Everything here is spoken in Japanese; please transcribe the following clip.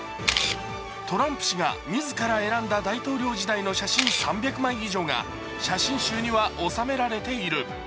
トランプ氏が自ら選んだ大統領時代の写真３００枚以上が写真集には収められている。